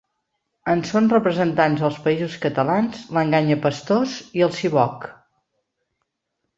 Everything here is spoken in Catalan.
En són representants als Països Catalans l'enganyapastors i el siboc.